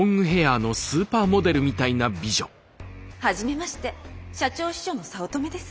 はじめまして社長秘書の早乙女です。